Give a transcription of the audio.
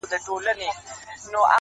ساه لرم چي تا لرم ،گراني څومره ښه يې ته